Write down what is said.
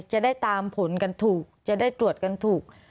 จะได้ตามผลกันถูกจะได้ตรวจกันถูก